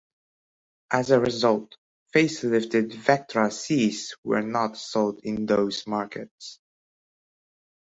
As a result, facelifted Vectra Cs were not sold in those markets.